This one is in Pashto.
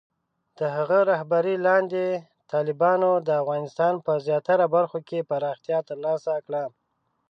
د هغه رهبرۍ لاندې، طالبانو د افغانستان په زیاتره برخو کې پراختیا ترلاسه کړه.